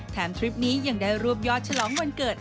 ทริปนี้ยังได้รวบยอดฉลองวันเกิด